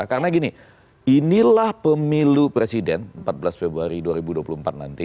karena gini inilah pemilu presiden empat belas februari dua ribu dua puluh empat nanti